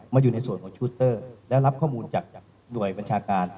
มาหยุดในส่วนพื้นที่และรับข้อมูลจากหน่วยบัญชาการ